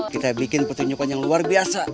kita bikin pertunjukan yang luar biasa